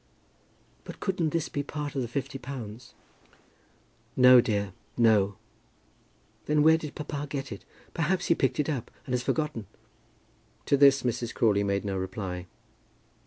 "But couldn't this be part of the fifty pounds?" "No, dear, no." "Then where did papa get it? Perhaps he picked it up, and has forgotten?" To this Mrs. Crawley made no reply.